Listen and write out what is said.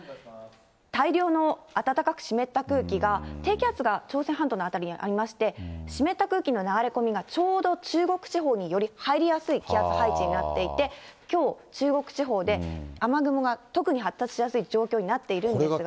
大量の暖かく湿った空気が、低気圧が朝鮮半島の辺りにありまして、湿った空気の流れ込みがちょうど中国地方により入りやすい気圧配置になっていて、きょう中国地方で、雨雲がとくに発達しやすい状況になっているんですが。